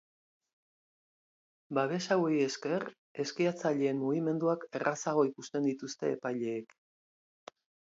Babes hauei esker, eskiatzaileen mugimenduak errazago ikusten dituzte epaileek.